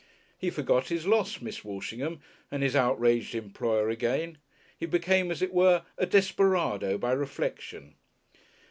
He forgot his lost Miss Walshingham and his outraged employer again. He became as it were a desperado by reflection.